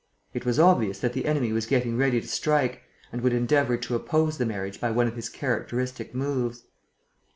It was obvious that the enemy was getting ready to strike and would endeavour to oppose the marriage by one of his characteristic moves.